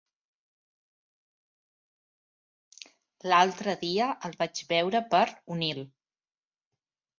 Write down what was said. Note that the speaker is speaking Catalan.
L'altre dia el vaig veure per Onil.